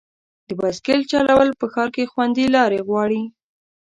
د بایسکل چلول په ښار کې خوندي لارې غواړي.